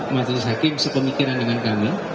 majelis hakim sepemikiran dengan kami